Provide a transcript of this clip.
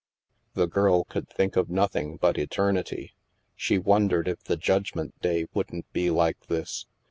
The girl could think of nothing but Eternity. She wondered if the Judgment Day wouldn't be like this.